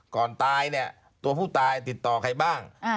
ก่อนตายเนี่ยตัวผู้ตายติดต่อใครบ้าง